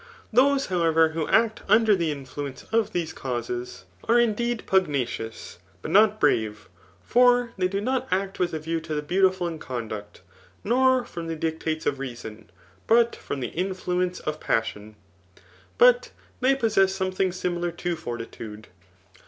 Those^ however^ who act under the influence of these causes Digitized by Google «I04 THE NlCaMACHEAN B#OdlI« are mdted pugnacious, but not bntve ; for they do not. act with a view to the beautifixl in conduct, nor from the dictates of reason, but from the inEuence of passmu But they possess something similar to fortitude.